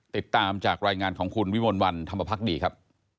ติดตามจากรายงานของคุณวิมลวันธรรมพักดีครับ